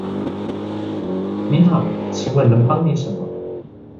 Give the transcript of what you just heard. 你好，請問能幫你什麼?